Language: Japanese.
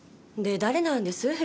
で誰なんです？